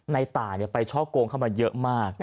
ในตายไปช่อกงเข้ามาเยอะมาก